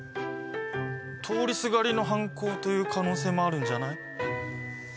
通りすがりの犯行という可能性もあるんじゃない？